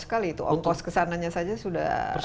sekali itu ongkos kesananya saja sudah